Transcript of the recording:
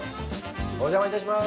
お邪魔いたします。